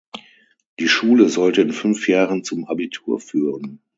Die Schule sollte in fünf Jahren zum Abitur führen.